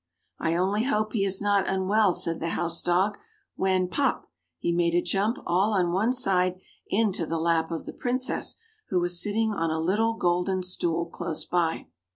"I only hope he is not unwell," said the house dog; when, pop! he made a jump all on one side into the lap of the Princess, who was sitting on a little golden stool close by.